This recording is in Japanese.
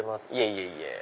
いえいえ。